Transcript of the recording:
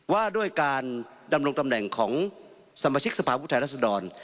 ว่าด้วยการดำรงตำแหน่งของสมาชิกสภาพผู้แทนรัศดร